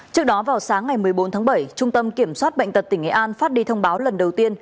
trước đó vào sáng ngày một mươi bốn tháng bảy trung tâm kiểm soát bệnh tật tỉnh nghệ an phát đi thông báo lần đầu tiên